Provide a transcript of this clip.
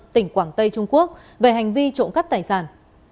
tỉnh quảng tây trung quốc về hành vi trộn cắt tài sản